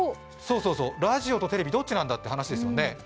ラジオとテレビ、どっちなんだという話ですよね。